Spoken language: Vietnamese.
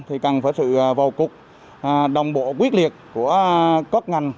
thì cần phải sự vào cuộc đồng bộ quyết liệt của các ngành